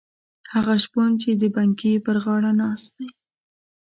هغه شپون چې د بنګي پر غاړه ناست دی.